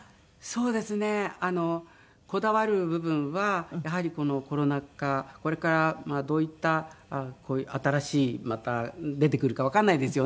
そうですねこだわる部分はやはりこのコロナ禍これからどういったこういう新しいまた出てくるかわからないですよね